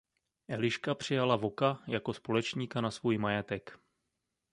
Eliška přijala Voka jako společníka na svůj majetek.